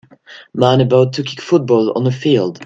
Man about to kick football on a field.